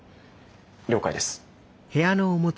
了解です。